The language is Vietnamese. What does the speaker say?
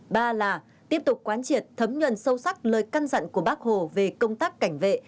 ba là tiếp tục quán triệt thấm nhuận sâu sắc lời căn dặn của bác hồ về công tác cảnh vệ